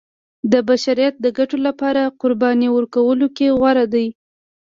د بشریت د ګټو لپاره قربانۍ ورکولو کې غوره دی.